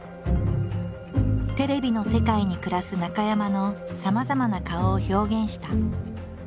テレビの世界に暮らす中山のさまざまな顔を表現した。